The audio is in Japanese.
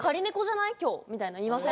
みたいなの言いません？